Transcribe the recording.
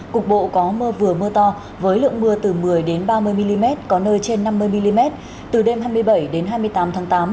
cục bộ có mưa vừa mưa to với lượng mưa từ một mươi ba mươi mm có nơi trên năm mươi mm từ đêm hai mươi bảy hai mươi tám tháng tám